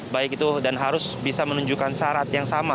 baik itu dan harus bisa menunjukkan syarat yang sama